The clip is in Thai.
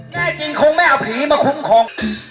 แน่จริงคงไม่เอาผีมาคุ้มครอง